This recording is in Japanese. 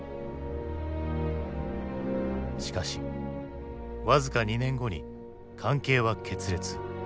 しかし僅か２年後に関係は決裂。